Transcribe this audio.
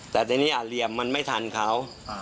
แต่ในนี้อ่ะเรียมมันไม่ทันเขา